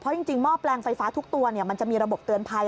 จริงหม้อแปลงไฟฟ้าทุกตัวมันจะมีระบบเตือนภัย